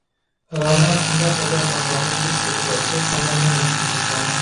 رەنا شۇنداق ئەدەپ-ئەخلاقلىق قىز تۇرسا، بۇ قانداقمۇ مۇمكىن بولسۇن.